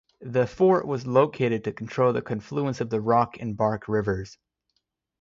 The fort was located to control the confluence of the Rock and Bark rivers.